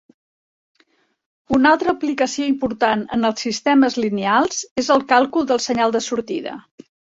Una altra aplicació important en els sistemes lineals és el càlcul del senyal de sortida.